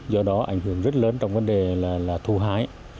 do đó ảnh hưởng rất lớn trong vấn đề là thu hái